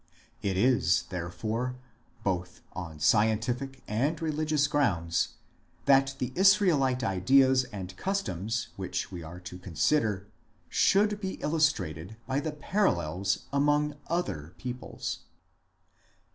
1 It is, therefore, both on scientific and religious grounds that the Israelite ideas and customs which we are to consider should be illustrated by the parallels among other peoples.